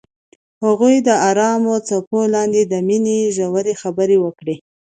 هغوی د آرام څپو لاندې د مینې ژورې خبرې وکړې.